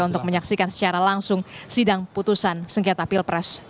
untuk menyaksikan secara langsung sidang putusan sengketa pilpres dua ribu dua puluh empat